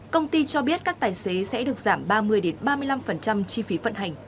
công ty cho biết các tài xế sẽ được giảm ba mươi ba mươi năm chi phí vận hành